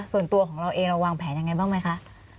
ส่วนตัวของเราเองเราวางแผนยังไงบ้างไหมคะ